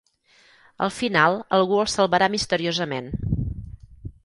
Al final algú els salvarà misteriosament.